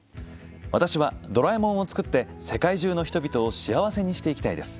「私は、ドラえもんを作って世界中の人々を幸せにしていきたいです。